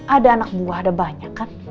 ada anak buah ada banyak kan